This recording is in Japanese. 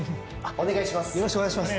お願いします。